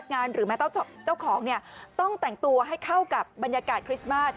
พนักงานหรือเจ้าของต้องแต่งตัวให้เข้ากับบรรยากาศคริสต์มาส